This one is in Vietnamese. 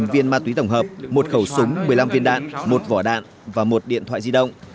một mươi viên ma túy tổng hợp một khẩu súng một mươi năm viên đạn một vỏ đạn và một điện thoại di động